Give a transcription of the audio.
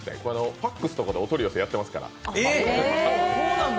ＦＡＸとかでお取り寄せやっていますから。